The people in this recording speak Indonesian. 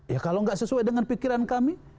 ya kalau nggak sesuai dengan pikiran kami